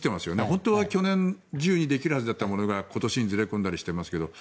本当は去年中にできるはずだったものが今年にずれ込んだりしていますけども。